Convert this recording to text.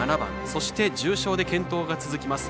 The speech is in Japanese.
そして、重賞で健闘が続きます